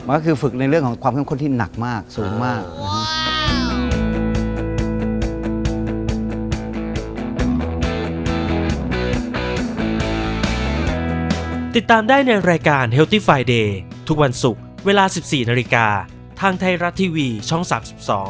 ก็คือฝึกในเรื่องของความเข้มข้นที่หนักมากสูงมากนะครับ